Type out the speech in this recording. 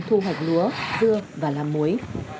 thu hoạch lúa dưa và làm muối